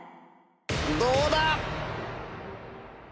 どうだ？